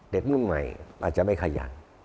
รุ่นใหม่อาจจะไม่ขยัน